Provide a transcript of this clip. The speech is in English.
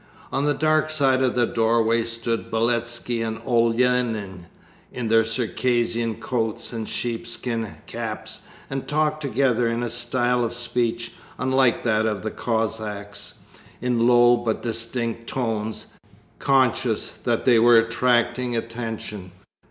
On the dark side of the doorway stood Beletski and Olenin, in their Circassian coats and sheepskin caps, and talked together in a style of speech unlike that of the Cossacks, in low but distinct tones, conscious that they were attracting attention.